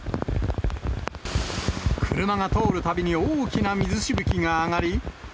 車が通るたびに大きな水しぶきが上がり。